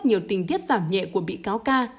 nhiều tình tiết giảm nhẹ của bị cáo ca